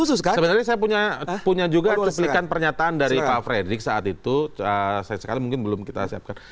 sebenarnya saya punya juga cuplikan pernyataan dari pak fredrik saat itu saya sekali mungkin belum kita siapkan